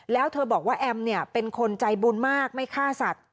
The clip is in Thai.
แล้วเธอบอกว่าแอมเนี่ยเป็นคนใจบุญมากไม่ฆ่าสัตว